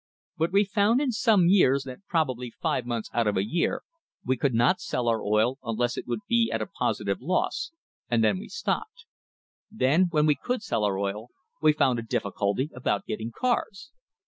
But we found in some years that probably five months out of a year we could not sell our oil unless it would be at a positive loss, and then we stopped. Then when we could sell our oil, we found a difficulty about getting cars.